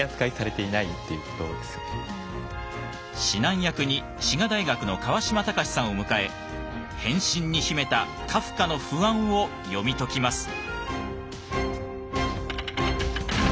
指南役に滋賀大学の川島隆さんを迎え「変身」に秘めたカフカの不安を読み解きます。